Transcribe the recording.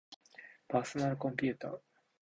パーソナルコンピューター